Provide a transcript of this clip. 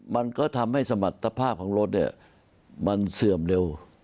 มันก็ทำให้สมรรถภาพของรถเนี่ยมันเสื่อมเร็ว